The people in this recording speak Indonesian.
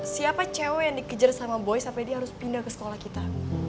siapa cewek yang dikejar sama boy sampai dia harus pindah ke sekolah kita